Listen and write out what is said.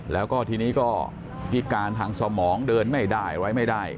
แล้วก็ทีนี้ก็พิการทางสมองเดินไม่ได้อะไรไม่ได้